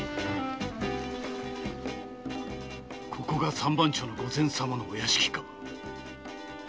ここが「三番町の御前様」の屋敷か。